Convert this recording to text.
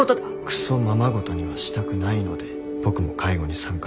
クソままごとにはしたくないので僕も介護に参加します。